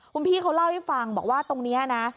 คุณพี่เขาเล่าให้ฟังบอกว่าตรงนี้นะ